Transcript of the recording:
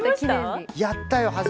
やったよ。